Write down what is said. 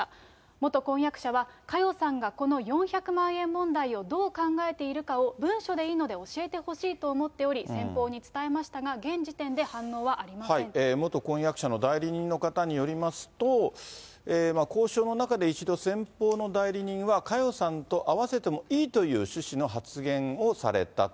元婚約者は、佳代さんがこの４００万円問題をどう考えているかを文書でいいので教えてほしいと思っており、先方に伝えましたが、現時点で反応元婚約者の代理人の方によりますと、交渉の中で、一度、先方の代理人は、佳代さんと会わせてもいいという趣旨の発言をされたと。